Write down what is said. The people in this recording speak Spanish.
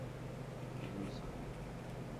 Menos aún.